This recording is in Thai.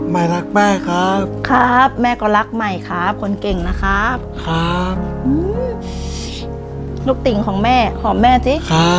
รักแม่ครับครับแม่ก็รักใหม่ครับคนเก่งนะครับครับลูกติ่งของแม่หอมแม่สิครับ